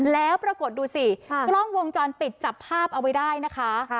แล้วปรากฏดูสิกล้องวงจรปิดจับภาพเอาไว้ได้นะคะ